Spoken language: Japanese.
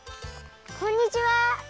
こんにちは。